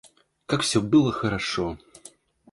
Как всё было хорошо!